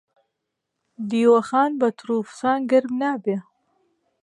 دیوەخان بە تڕ و فسان گەرم نابی.